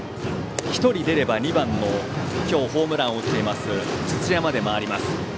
１人出れば２番の今日ホームランを打っている土屋まで回ります。